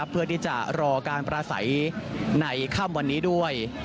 เพื่อที่จะรอการประสัยในค่ำวันนี้ด้วย